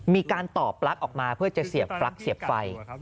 มีการต่อปลั๊กออกมาเพื่อจะเสียบปลั๊กเสียบไฟ